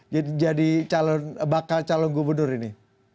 jadi jadi bakal calon gubernur ini